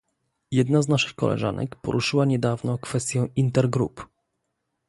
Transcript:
Jedna z naszych koleżanek poruszyła niedawno kwestię intergrup